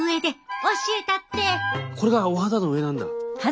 これがお肌の上なんだ。